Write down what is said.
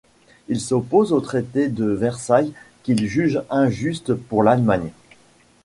Il s'oppose au traité de Versailles qu'il juge injuste pour l'Allemagne.